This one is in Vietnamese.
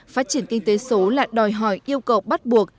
phát triển kinh tế số là đòi hỏi yêu cầu bắt buộc